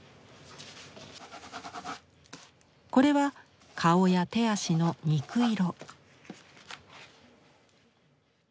これは顔や手足の肉色。